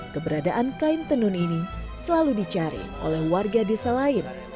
keberadaan kain tenun ini selalu dicari oleh warga desa lain